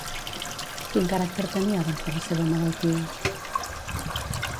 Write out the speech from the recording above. Quin caràcter tenia abans de la seva malaltia?